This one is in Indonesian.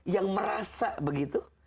yang merasa begitu